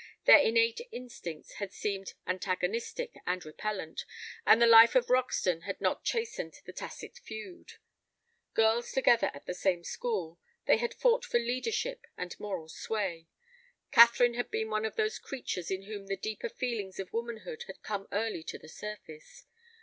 Their innate instincts had seemed antagonistic and repellent, and the life of Roxton had not chastened the tacit feud. Girls together at the same school, they had fought for leadership and moral sway. Catherine had been one of those creatures in whom the deeper feelings of womanhood come early to the surface.